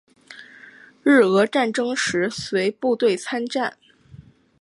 日俄战争时随部队参战。